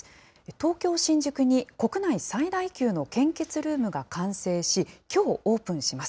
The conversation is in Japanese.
東京・新宿に、国内最大級の献血ルームが完成し、きょうオープンします。